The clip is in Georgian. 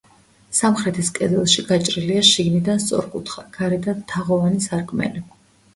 სამხრეთის კედელში გაჭრილია შიგნიდან სწორკუთხა, გარედან თაღოვანი სარკმელი.